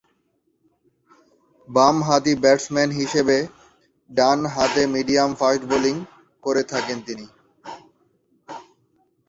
বামহাতি ব্যাটসম্যান হিসেবে ডানহাতে মিডিয়াম-ফাস্ট বোলিং করে থাকেন তিনি।